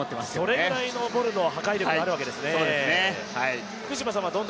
そのぐらいボルの破壊力があるわけですね。